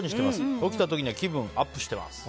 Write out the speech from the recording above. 起きた時には気分アップしています。